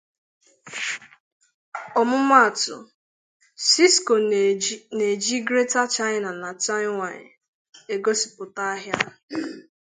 Ọmụmaatụ, Cisco na-eji "Greater China na Taiwan" egosipụta ahịa.